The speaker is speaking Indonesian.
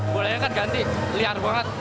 bolanya kan ganti liar banget